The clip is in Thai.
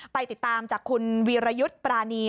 ไปติดตามจากคุณวีรยุทธ์ปรานี